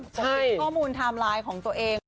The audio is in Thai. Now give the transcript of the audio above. จะเห็นข้อมูลไทม์ไลน์ของตัวเอง